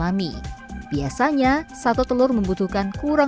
jadi ini harus dikawal